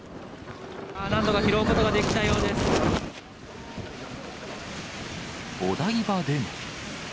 なんとか拾うことができたよお台場でも。